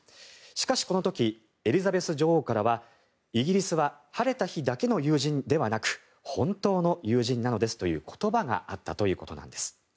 しかし、この時エリザベス女王からはイギリスは晴れた日だけの友人ではなく本当の友人なのですという言葉があったということなんです。